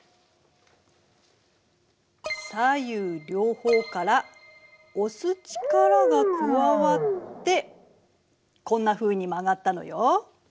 左右両方から押す力が加わってこんなふうに曲がったのよ。